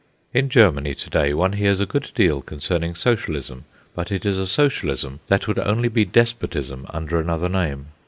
In Germany to day one hears a good deal concerning Socialism, but it is a Socialism that would only be despotism under another name.